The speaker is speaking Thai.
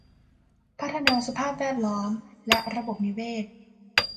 พัฒนาสภาพแวดล้อมและระบบนิเวศ